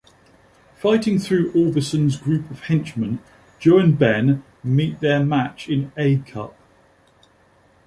Fighting through Orbison's group of henchmen, Joe and Ben meet their match in A-Cup.